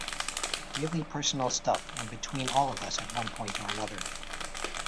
Really personal stuff, and between all of us at one point or another.